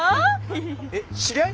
えっ知り合い？